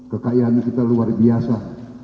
kekayaan kita luar biasa